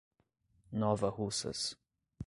Nova Russas